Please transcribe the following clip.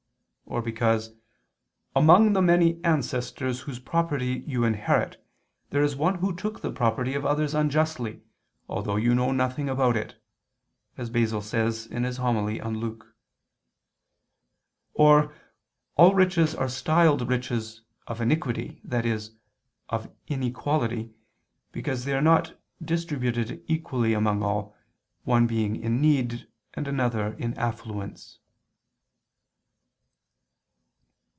Or, because "among the many ancestors whose property you inherit, there is one who took the property of others unjustly, although you know nothing about it," as Basil says in a homily (Hom. super Luc. A, 5). Or, all riches are styled riches "of iniquity," i.e., of "inequality," because they are not distributed equally among all, one being in need, and another in affluence.